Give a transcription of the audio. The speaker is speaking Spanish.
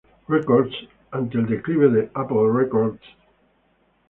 Records, ante el declive de Apple Records.